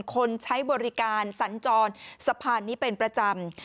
คนใช้บริการสัญจรสะพานนี้เป็นประจำ